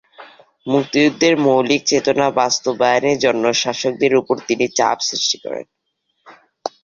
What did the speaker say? মুক্তিযুদ্ধের মৌলিক চেতনা বাস্তবায়নের জন্য শাসকদের উপর তিনি চাপ সৃষ্টি করেন।